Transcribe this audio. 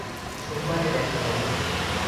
সোমবারে দেখা হবে!